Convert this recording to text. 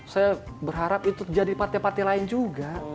saya berharap itu terjadi di partai partai lain juga